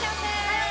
はい！